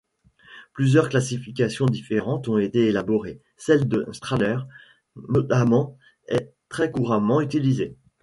Plusieurs classifications différentes ont été élaborées, celle de Strahler notamment est très couramment utilisée.